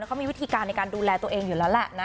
เขามีวิธีการในการดูแลตัวเองอยู่แล้วแหละนะ